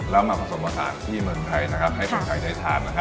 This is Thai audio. แล้วมาผสมอาหารที่เมืองไทยให้คนไทยได้ทาน